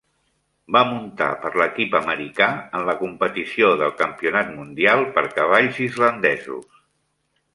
Va muntar per l'equip americà en la competició del campionat mundial per cavalls islandesos.